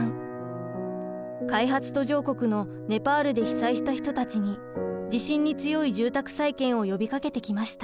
開発途上国のネパールで被災した人たちに地震に強い住宅再建を呼びかけてきました。